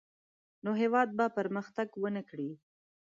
نو هېواد به پرمختګ ونه کړي.